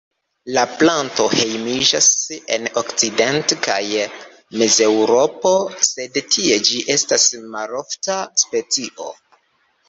La planto hejmiĝas en Okcident- kaj Mezeŭropo, sed tie ĝi estas malofta specio.